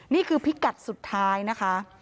นี่คือพิกัดสุดท้ายนะคะ